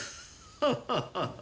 ハハハハ。